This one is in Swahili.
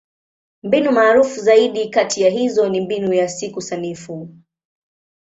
Mbinu maarufu zaidi kati ya hizo ni Mbinu ya Siku Sanifu.